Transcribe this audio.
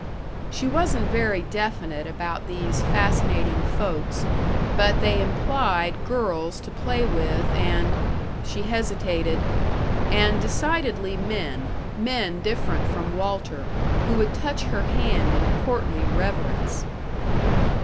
She wasn't very definite about these fascinating folks, but they implied girls to play with and she hesitated and decidedly men, men different from Walter, who would touch her hand in courtly reverence.